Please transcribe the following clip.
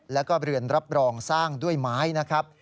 แล้วก็เรือนรับรองสร้างด้วยไม้นะครับ